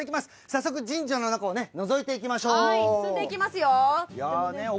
早速、神社の中をのぞいていきましょう。